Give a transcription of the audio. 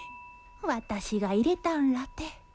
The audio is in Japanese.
私が入れたんらて。